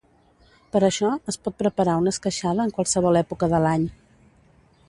Per això es pot preparar una esqueixada en qualsevol època de l'any.